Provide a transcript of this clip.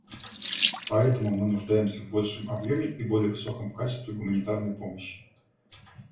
Поэтому мы нуждаемся в большем объеме и более высоком качестве гуманитарной помощи.